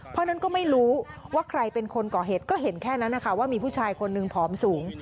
เพราะฉะนั้นก็ไม่รู้ว่าใครเป็นคนก่อเหตุก็เห็นแค่นั้นนะคะว่ามีผู้ชายคนหนึ่งผอมสูง